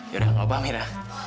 yaudah gak apa apa amira